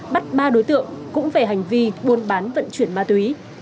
bắt ba đối tượng cũng về hành vi buôn bán vận chuyển ma túy